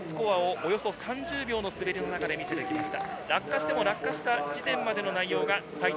およそ３０秒の滑りの中で見せてきました。